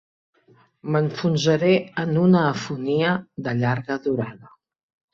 M'enfonsaré en una afonia de llarga durada.